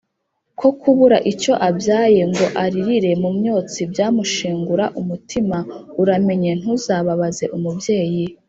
Ko kubura icyo abyayeNgo aririre mu myotsi byamushengura umutima, uramenya ntuzababaze umubyeyi